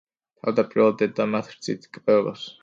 თავდაპირველად დედა მათ რძით კვებავს.